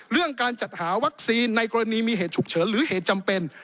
เรื่องการจัดหาวัคซีนในกรณีมีเหตุฉุกเฉินหรือเหตุจำเป็น